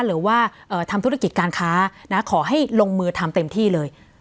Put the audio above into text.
หรือว่าทำธุรกิจการค้าขอให้ลงมือทำเต็มที่เลย